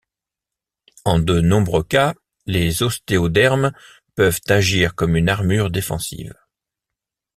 En de nombreux cas, les ostéodermes peuvent agir comme une armure défensive.